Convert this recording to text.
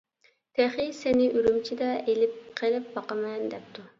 تېخى سېنى ئۈرۈمچىدە ئېلىپ قېلىپ باقىمەن دەپتۇ.